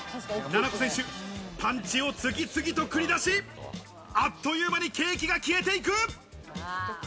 なな子選手、パンチを次々と繰り出し、あっという間にケーキが消えていく。